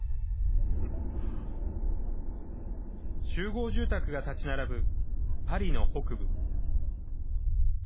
集合住宅が建ち並ぶ、パリの北部。